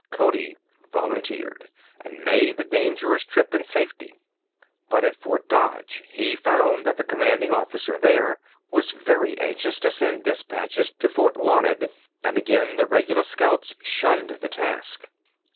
Cody volunteered and made the dangerous trip in safety. But at Fort Dodge he found that the commanding officer there was very anxious to send dispatches to Fort Larned, and again the regular scouts shunned the task.